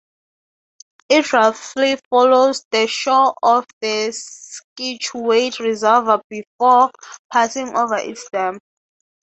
It roughly follows the shore of the Scituate Reservoir before passing over its dam.